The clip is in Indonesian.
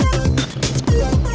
wah keren banget